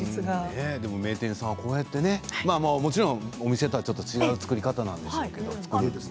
でも名店さんはこうやってもちろん、お店とはちょっと違う作り方なんでしょうけど。